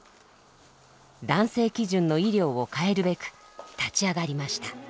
男性基準の医療を変えるべく立ち上がりました。